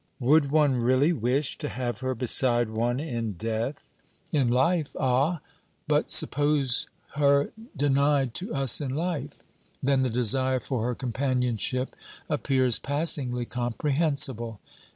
Would one really wish to have her beside one in death? In life ah! But suppose her denied to us in life. Then the desire for her companionship appears passingly comprehensible.